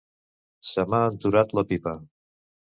Se m'ha enturat la pipa.